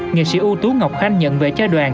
nghệ sĩ ưu tú ngọc khanh nhận về cho đoàn